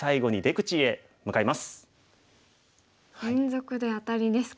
連続でアタリですか。